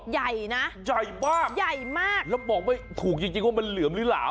ใหญ่นะใหญ่มากแล้วบอกไม่ถูกจริงว่ามันเหลือมหรือหลาม